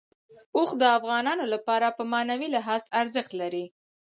اوښ د افغانانو لپاره په معنوي لحاظ ارزښت لري.